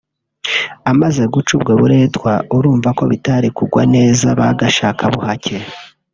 Amaze guca ubwo buretwa urumva ko bitari kugwa neza ba gashakabuhacye